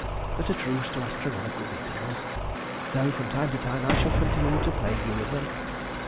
But a truce to astronomical details! though from time to time I shall continue to plague you with them....